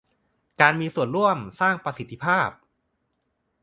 การมีส่วนร่วมสร้างประสิทธภาพ